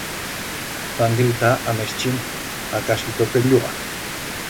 Van gritar a mes chent, a casi tot el llugar.